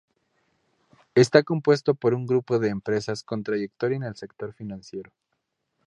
Esta compuesto por un grupo de empresas con trayectoria en el sector financiero.